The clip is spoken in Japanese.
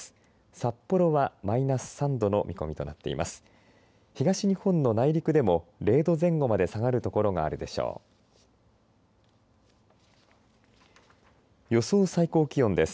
札幌はマイナス３度の見込みとなっています。